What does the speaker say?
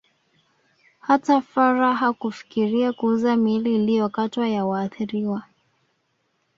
Hata Fuhrer hakufikiria kuuza miili iliyokatwa ya waathiriwa